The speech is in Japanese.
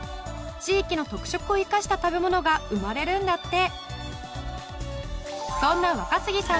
地域の特色を生かした食べ物が生まれるんだって。